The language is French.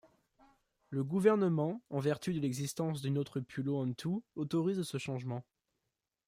Le gouvernement, en vertu de l'existence d'une autre Pulau Hantu, autorise ce changement.